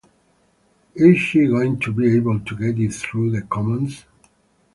Is she going to be able to get it through the Commons?